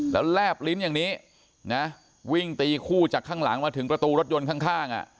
แล้วแลบลิ้นอย่างนี้นะวิ่งตีคู่จากข้างหลังมาถึงประตูรถยนต์ข้าง